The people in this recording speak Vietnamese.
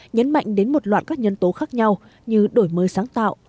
nhấn mạnh đến một loạt các nhân tố khác nhau như đổi mới sáng tạo